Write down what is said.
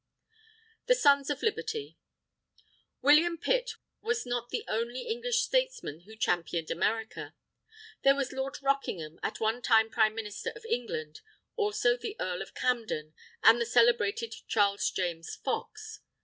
THE SONS OF LIBERTY William Pitt was not the only English statesman who championed America. There was Lord Rockingham, at one time Prime Minister of England, also the Earl of Camden, and the celebrated Charles James Fox.